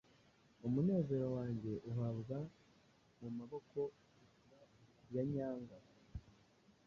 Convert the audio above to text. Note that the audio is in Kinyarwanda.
umunezero wanjye uhabwa mumaboko yanyanga